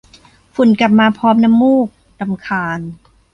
ฝุ่นกลับมาพร้อมน้ำมูก รำคาญ